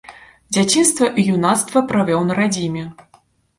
Дзяцінства і юнацтва правёў на радзіме.